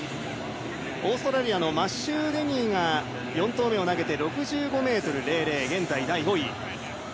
オーストラリアのマシュー・デニーが４投目を投げて６５ｍ００、現在第５位。